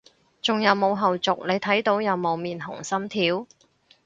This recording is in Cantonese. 仲有冇後續，你睇到有冇面紅心跳？